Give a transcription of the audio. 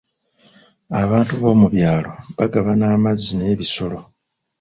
Abantu b'omu byalo bagabana amazzi n'ebisolo.